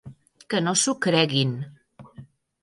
Que no s’ho creguin.